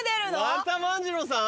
また万次郎さん？